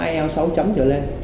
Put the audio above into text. ielts sáu lên